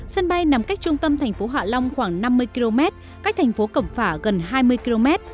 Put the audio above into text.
sân bay nằm cách trung tâm thành phố hạ long khoảng năm mươi km cách thành phố cẩm phả gần hai mươi km